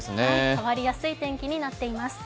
変わりやすい天気になっています。